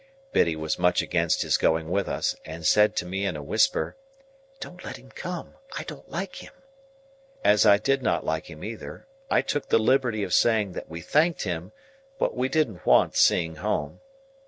Biddy was much against his going with us, and said to me in a whisper, "Don't let him come; I don't like him." As I did not like him either, I took the liberty of saying that we thanked him, but we didn't want seeing home.